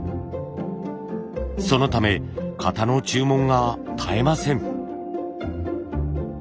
そのため型の注文が絶えません。